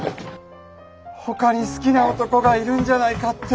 他に好きな男がいるんじゃないかって。